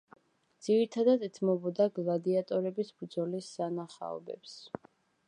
ძირითადად ეთმობოდა გლადიატორების ბრძოლის სანახაობებს.